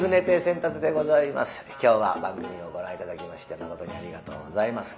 今日は番組をご覧頂きましてまことにありがとうございます。